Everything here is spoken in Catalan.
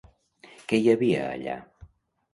Què hi havia allà?